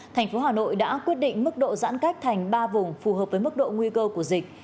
thành phố hà nội đã quyết định mức độ giãn cách thành ba vùng phù hợp với mức độ nguy cơ của dịch